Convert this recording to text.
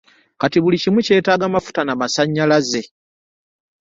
Kati buli kimu kyetaaga mafuta na masannyalaze.